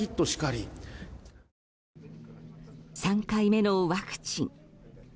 ３回目のワクチン。